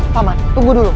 paman tunggu dulu